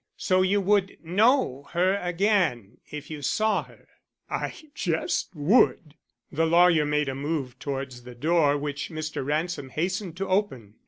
So you would know her again if you saw her." "I jest would." The lawyer made a move towards the door which Mr. Ransom hastened to open.